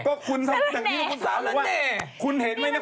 ก็คุณจังงนี้คุณสารแน่